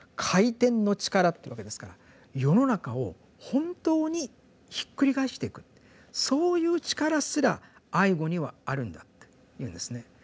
「廻天のちから」っていうわけですから世の中を本当にひっくり返していくそういう力すら「愛語」にはあるんだっていうんですね。